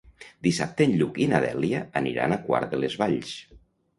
Dissabte en Lluc i na Dèlia aniran a Quart de les Valls.